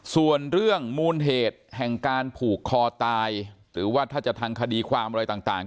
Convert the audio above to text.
ส่วนเรื่องมูลเหตุแห่งการผูกคอตายหรือว่าถ้าจะทางคดีความอะไรต่าง